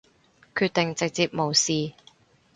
決定直接無視